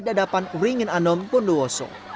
di hadapan wringin anom bonduoso